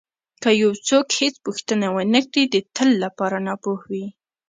که یو څوک هېڅ پوښتنه ونه کړي د تل لپاره ناپوه وي.